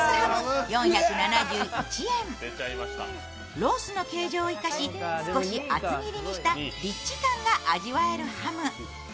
ロースの形状を生かし、少し厚切りにしたリッチ感が味わえるハム。